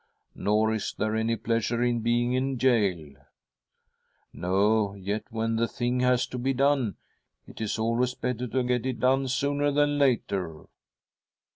' Nor is there any pleasure in being in gaol !'' No, yet when the thing has to be done, it is always better to get it done sooner, than later.'